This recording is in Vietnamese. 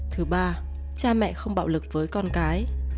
thứ ba cha mẹ không bạo lực với con cái